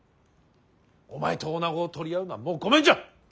お前と女子を取り合うのはもうごめんじゃ。